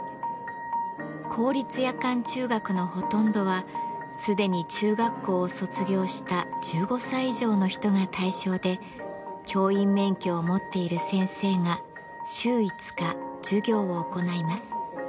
公立夜間中学のほとんどはすでに中学校を卒業した１５歳以上の人が対象で教員免許を持っている先生が週５日授業を行います。